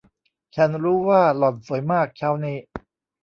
ฉันรู้ว่าหล่อนสวยมากเช้านี้